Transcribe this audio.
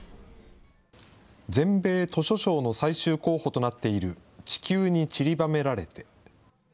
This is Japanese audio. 全米図書賞の最終候補となっている、地球にちりばめられて。